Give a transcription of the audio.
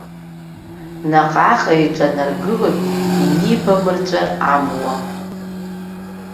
Наҟ-ааҟ еиҿанаргылоит, инибамырҵәар амуа.